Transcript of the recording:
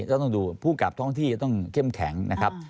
ต้องดูผู้กลับท้องที่จะต้องเข้มแข็งนะครับ